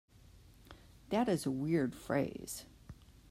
That is a weird phrase.